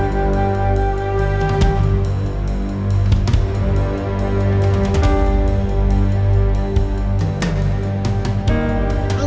kalau bisa kalau marah